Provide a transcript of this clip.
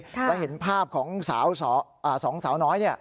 และเห็นภาพของสองสาวน้อย